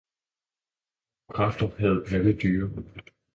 Krop og kræfter havde Palle Dyre.